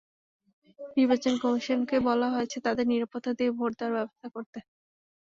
নির্বাচন কমিশনকে বলা হয়েছে তাদের নিরাপত্তা দিয়ে ভোট দেওয়ার ব্যবস্থা করতে।